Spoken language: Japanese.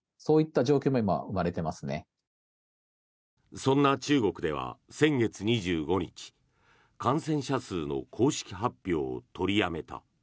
そんな中国では先月２５日感染者数の公式発表を取りやめた。